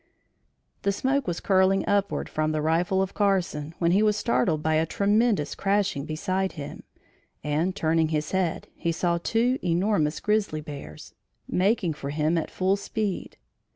The smoke was curling upward from the rifle of Carson, when he was startled by a tremendous crashing beside him, and, turning his head, he saw two enormous grizzly bears making for him at full speed.